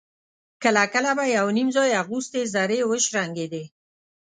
کله کله به يو _نيم ځای اغوستې زرې وشرنګېدې.